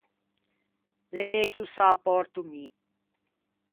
L’é megio s’â pòrto mi.